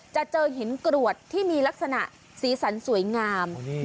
จะเจอหินกรวดที่มีลักษณะสีสันสวยงาม